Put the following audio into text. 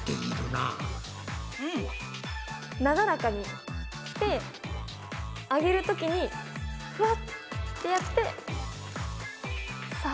なだらかにして上げるときにふわってやってさ。